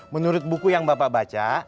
menurut buku yang bapak baca